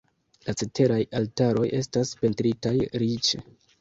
La ceteraj altaroj estas pentritaj riĉe.